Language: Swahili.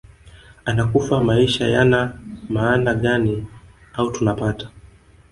anakufa maisha yana maana gani au tunapata